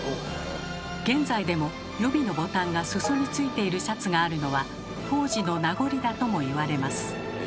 現在でも予備のボタンが裾に付いているシャツがあるのは当時の名残だともいわれます。